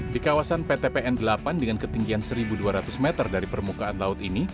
di kawasan ptpn delapan dengan ketinggian satu dua ratus meter dari permukaan laut ini